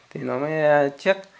thì nó mới chết